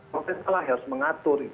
provincial lah harus mengatur